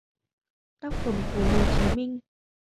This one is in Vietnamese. Tác phẩm của Hồ Chí Minh